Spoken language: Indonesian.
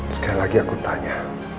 sekali lagi aku tanya